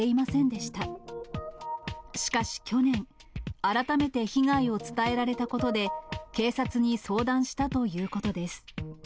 しかし去年、改めて被害を伝えられたことで、警察に相談したということです。